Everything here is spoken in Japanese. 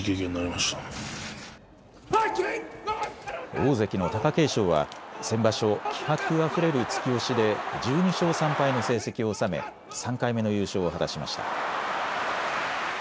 大関の貴景勝は先場所気迫あふれる突き押しで１２勝３敗の成績を収め３回目の優勝を果たしました。